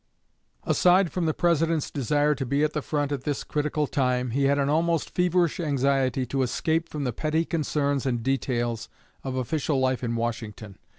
Aside from the President's desire to be at the front at this critical time, he had an almost feverish anxiety to escape from the petty concerns and details of official life in Washington.